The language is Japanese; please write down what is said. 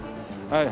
はい。